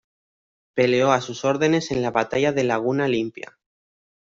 Peleó a sus órdenes en la batalla de Laguna Limpia.